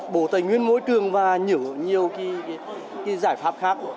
bộ tài nguyên môi trường và nhiều nhiều giải pháp khác